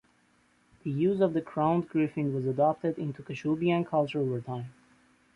The use of the crowned griffin was adapted into Kashubian culture overtime.